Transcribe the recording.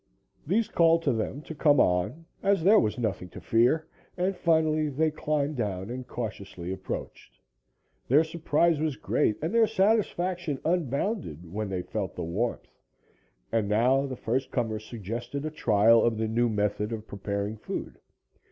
These called to them to come on as there was nothing to fear, and finally, they climbed down and cautiously approached. Their surprise was great and their satisfaction unbounded when they felt the warmth; and now the first comers suggested a trial of the new method of preparing food.